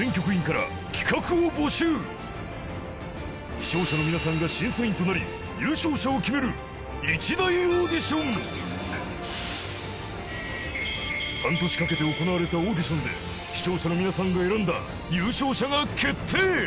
視聴者の皆さんが審査員となり優勝者を決める一大オーディション半年かけて行われたオーディションで視聴者の皆さんが選んだ優勝者が決定